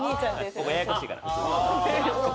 ややこしいから。